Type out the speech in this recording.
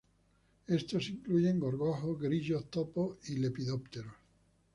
Estos incluyen gorgojos, grillos topo y lepidópteros.